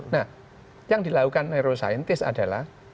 nah yang dilakukan neuroscientist adalah